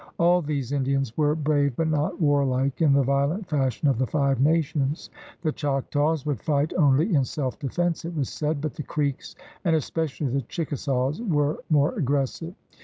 All these Indians were brave but not warlike in the violent fashion of the Five Nations. The Choctaws would fight only in self defense, it was said, but the Creeks and es pecially the Chickasaws were more aggressive.